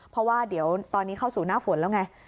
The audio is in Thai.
เพราะว่าเดี๋ยวตอนนี้เข้าสู่หน้าฝนแล้วไง